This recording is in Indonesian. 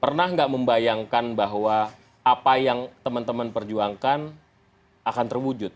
pernah nggak membayangkan bahwa apa yang teman teman perjuangkan akan terwujud